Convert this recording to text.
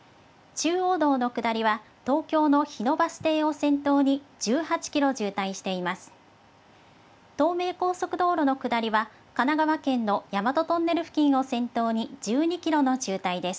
中央道の下りは、東京の日野バス停を先頭に１８キロ渋滞しています。